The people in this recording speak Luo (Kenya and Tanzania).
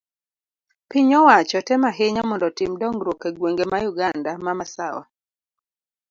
piny owacho temo ahinya mondo otim dongruok e gwenge ma Uganda ma Masawa